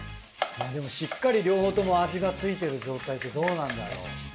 しっかり両方とも味がついてる状態ってどうなんだろう。